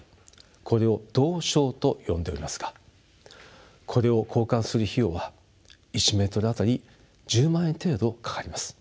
これを道床と呼んでおりますがこれを交換する費用は１メートル当たり１０万円程度かかります。